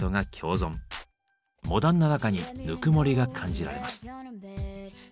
モダンな中にぬくもりが感じられます。